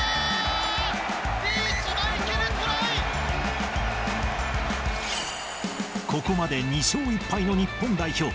リーチマイケル、ここまで２勝１敗の日本代表。